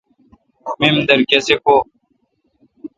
میمدر کسے کو°